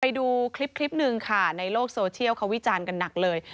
ไปดูคลิปหนึ่งค่ะในโลกโซเชียลเขาวิจารณ์กันหนักเลย